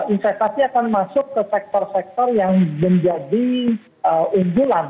investasi akan masuk ke sektor sektor yang menjadi unggulan